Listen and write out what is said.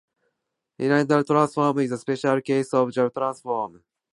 Legendre transform is a special case of Jacobi transform.